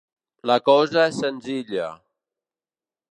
La cosa és senzilla.